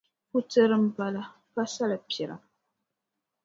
Putira m-bala pa salipira.